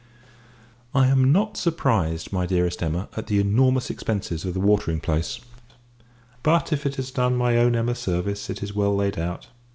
I am not surprised, my dearest Emma, at the enormous expences of the watering place; but, if it has done my own Emma service, it is well laid out.